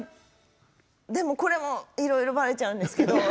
これも、いろいろばれちゃうんですけど。